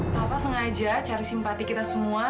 bapak sengaja cari simpati kita semua